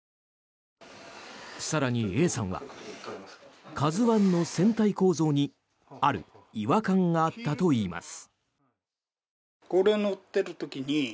更に、Ａさんは「ＫＡＺＵ１」の船体構造にある違和感があったといいます。